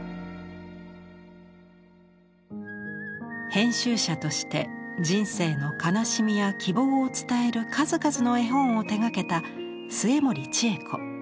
編集者として人生の悲しみや希望を伝える数々の絵本を手がけた末盛千枝子。